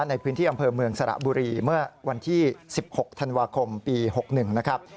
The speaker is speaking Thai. ในพื้นที่อำเภอเมืองสระบุรีเมื่อวันที่๑๖ธันวาคมปี๖๑นะครับ